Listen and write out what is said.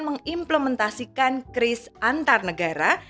mengimplementasikan kris antar negara